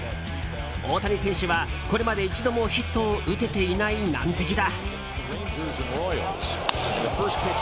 大谷選手は、これまで一度もヒットを打てていない難敵だ。